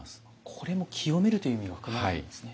これも清めるという意味が含まれているんですね。